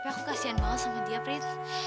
tapi aku kasihan banget sama dia prit